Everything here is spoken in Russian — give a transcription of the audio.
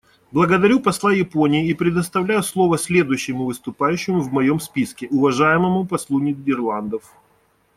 Благодарю посла Японии и предоставляю слово следующему выступающему в моем списке — уважаемому послу Нидерландов.